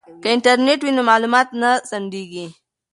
که انټرنیټ وي نو معلومات نه ځنډیږي.